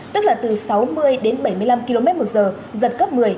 tức là từ sáu mươi đến bảy mươi năm km một giờ giật cấp một mươi